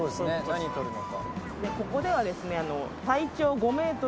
何撮るのか。